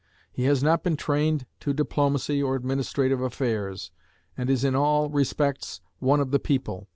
He has not been trained to diplomacy or administrative affairs, and is in all respects one of the people.